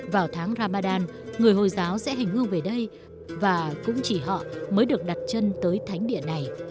vào tháng ramadan người hồi giáo sẽ hành hương về đây và cũng chỉ họ mới được đặt chân tới thánh địa này